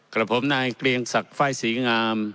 กลับผมนายเกลียงสักฝ่ายสีงาม